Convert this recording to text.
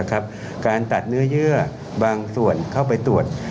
การตัดเนื้อเยื่อบางส่วนเข้าไปตรวจ